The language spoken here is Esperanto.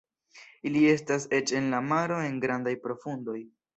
Ili estas eĉ en la maro en grandaj profundoj.